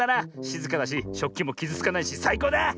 しずかだししょっきもきずつかないしさいこうだ！